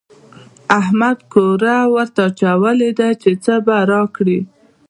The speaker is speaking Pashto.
احمد کوری ورته اچولی دی چې څه به راکړي.